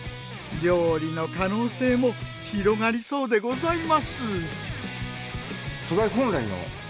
料理の可能性も広がりそうでございます。